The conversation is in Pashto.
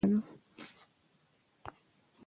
هغه ستړیا نه حس کوله.